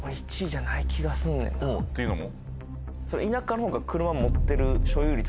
っていうのも？